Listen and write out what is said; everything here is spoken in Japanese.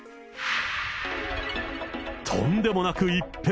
とんでもなく一変。